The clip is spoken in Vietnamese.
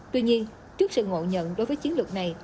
tuy nhiên trước sự ngộ nhận đối với chiến lược này